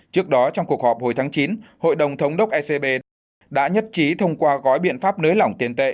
trước đó trong cuộc họp hồi tháng chín hội đồng thống đốc ecb đã nhất trí thông qua gói biện pháp nới lỏng tiền tệ